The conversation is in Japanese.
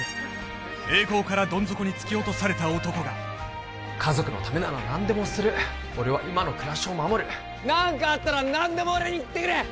突き落とされた男が家族のためなら何でもする俺は今の暮らしを守る何かあったら何でも俺に言ってくれ！